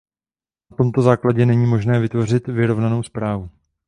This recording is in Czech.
Na tomto základě není možné vytvořit vyrovnanou zprávu.